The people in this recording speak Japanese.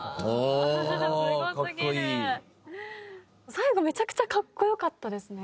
最後めちゃくちゃ格好良かったですね。